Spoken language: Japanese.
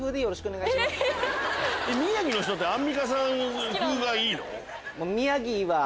宮城の人ってアンミカさん風がいいの？